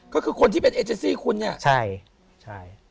ก็คือคนที่เป็นเอเจซี่คุณเนี่ยใช่ใช่